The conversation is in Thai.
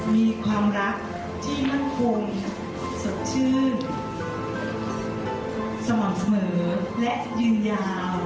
มีความรักที่มั่นคงสดชื่นสม่ำเสมอและยืนยาว